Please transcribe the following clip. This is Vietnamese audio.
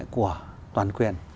của toàn quyền